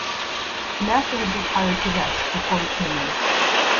The master had retired to rest before we came in.